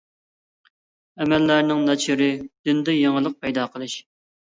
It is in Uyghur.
ئەمەللەرنىڭ ناچىرى دىندا يېڭىلىق پەيدا قىلىش.